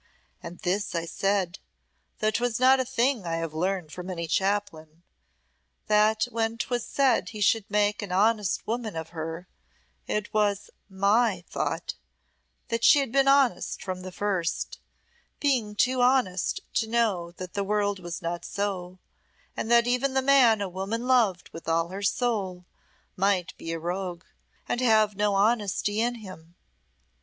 And this I said though 'twas not a thing I have learned from any chaplain that when 'twas said he should make an honest woman of her, it was my thought that she had been honest from the first, being too honest to know that the world was not so, and that even the man a woman loved with all her soul, might be a rogue, and have no honesty in him.